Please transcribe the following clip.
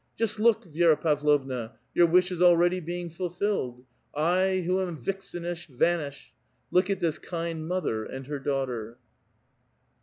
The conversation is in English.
Just look, Vi^ra Pavlovna ! your wish is already being fulfilled. I, who am vixenish, vanish. Look at this kind mother and her daughter